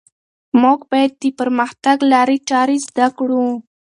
موږ باید د پرمختګ لارې چارې زده کړو.